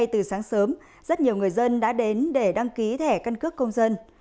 từ sáng sớm rất nhiều người dân đã đến để đăng ký thẻ căn cước công dân